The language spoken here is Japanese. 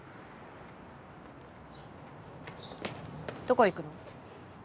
どこ行くの？